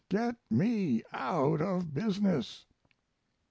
Get me out of business!